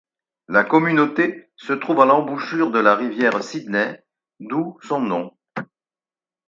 La communauté se trouve à l'embouchure de la rivière Sydney, d'où son nom.